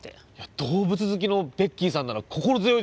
動物好きのベッキーさんなら心強いです。